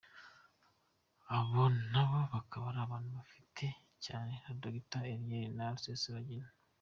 Abo nabo bakaba abantu bahafi cyane ya Dr. Eliel na Rusesabagina.